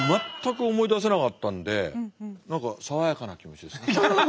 全く思い出せなかったんで何か爽やかな気持ちです。